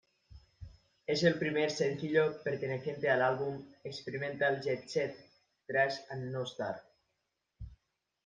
Es el primer sencillo perteneciente al álbum Experimental Jet Set, Trash and No Star.